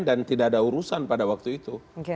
dan tidak ada urusan pada waktu itu